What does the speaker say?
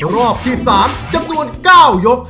รอบที่๓จำนวน๙ยก